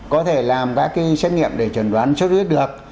có thể làm các cái xét nghiệm để chuẩn đoán sốt huyết được